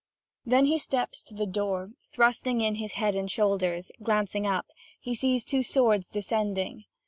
Then he steps to the door, thrusting in his head and shoulders; glancing up, he sees two swords descending.